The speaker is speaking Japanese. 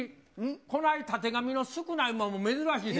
こないたてがみの少ない馬も珍しいです。